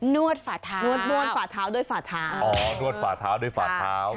วดฝาเท้านวดฝ่าเท้าด้วยฝ่าเท้าอ๋อนวดฝ่าเท้าด้วยฝ่าเท้า